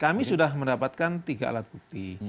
kami sudah mendapatkan tiga alat bukti